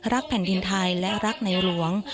แผ่นดินไทยและรักในหลวง